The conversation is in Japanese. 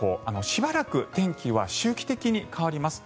しばらく天気は周期的に変わります。